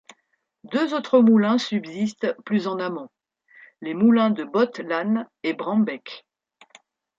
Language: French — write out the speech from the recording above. Deux autres moulins subsistent plus en amont: les moulins de Bot-Lann et Brambec.